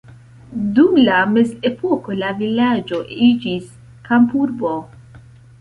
Dum la mezepoko la vilaĝo iĝis kampurbo.